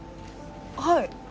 はい